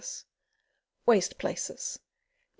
Waste places. Me.